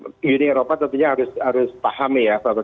nah uni eropa tentunya harus paham ya